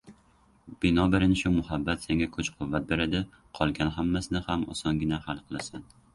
Binobarin, shu muhabbat senga kuch-quvvat beradi qolgan hammasini ham osongina hal qilasan.